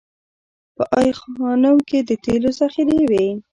په ای خانم کې د تیلو ذخیرې وې